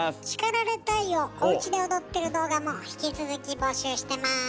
「叱られたい！」をおうちで踊ってる動画も引き続き募集してます。